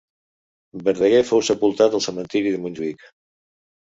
Verdaguer fou sepultat al cementiri de Montjuïc.